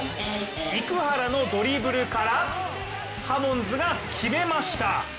生原のドリブルからハモンズが決めました。